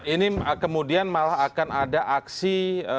ini kemudian malah akan ada aksi